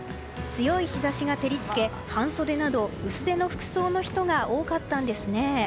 強い日差しが照り付け、半袖など薄手の服装の人が多かったんですね。